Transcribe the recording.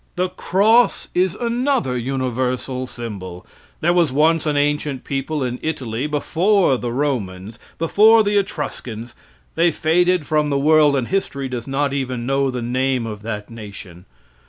The cross is another universal symbol. There was once an ancient people in Italy before the Romans, before the Etruscans. They faded from the world, and history does not even know the name of that nation.